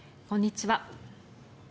こんにちは。